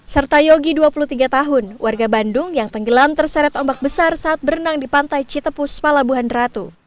serta yogi dua puluh tiga tahun warga bandung yang tenggelam terseret ombak besar saat berenang di pantai citepus palabuhan ratu